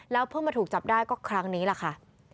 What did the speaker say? เพิ่งมาถูกจับได้ก็ครั้งนี้แหละค่ะ